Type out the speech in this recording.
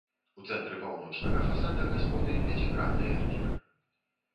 У цэнтры паўночнага фасада гасподы пяцігранны эркер.